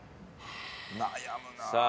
悩むなあ。